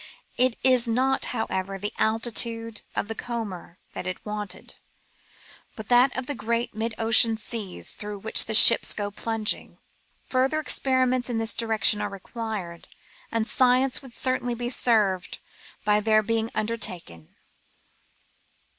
It is not, however, the altitude of the comber that is wanted, but that of the great mid ocean seas through which the ships go plunging. Further experiments in this direction are required, and science would certainly be served by their being under taken.